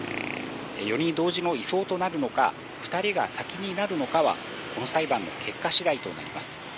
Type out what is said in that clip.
４人同時の移送となるのか、２人が先になるのかは、この裁判の結果しだいとなります。